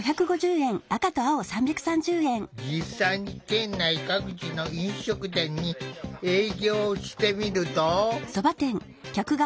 実際に県内各地の飲食店に営業をしてみると。